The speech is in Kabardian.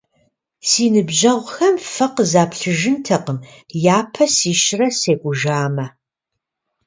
Си ныбжьэгъухэм фэ къызаплъыжынтэкъым, япэ сищрэ секӀужамэ.